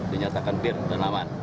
dinyatakan pir dan aman